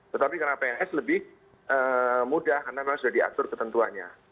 tetapi karena pns lebih mudah karena sudah diatur ketentuanya